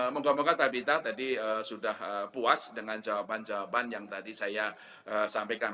moga moga tabita tadi sudah puas dengan jawaban jawaban yang tadi saya sampaikan